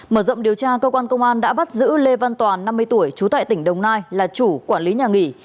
mở rộng điều tra cơ quan công an đã bắt giữ lê văn toàn năm mươi tuổi trú tại tỉnh đồng nai là chủ quản lý nhà nghỉ